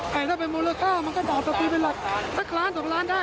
แต่ถ้าเป็นมูลค่ามันก็บอกต่อปีเป็นหลักสักล้านสองล้านได้